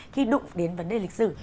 khi đụng đến vấn đề lịch sử